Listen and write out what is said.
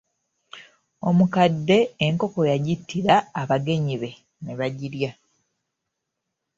Omukadde enkoko yagittira abagenyi be ne bagirya.